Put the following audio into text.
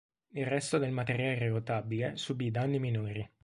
Il resto del materiale rotabile subì danni minori.